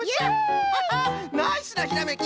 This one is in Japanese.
ナイスなひらめき！